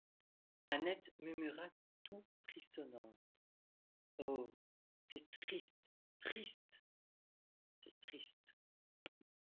Annette murmura toute frissonnante : «Oh ! c'est triste, triste.» C'est triste.